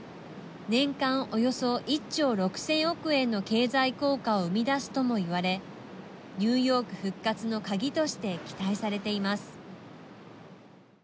年間およそ１兆６０００億円の経済効果を生み出すとも言われニューヨーク復活の鍵として期待されています。